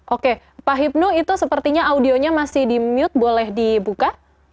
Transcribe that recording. oke pak hipnu itu sepertinya audionya masih di mute boleh dibuka